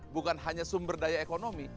bukan hanya sumber daya ekonomi